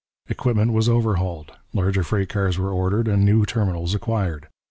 Equipment was overhauled, larger freight cars were ordered, and new terminals acquired.